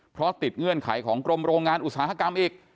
เพราะติดเงื่อนไขของกรมโรงงานอุตสาหกรรมอีก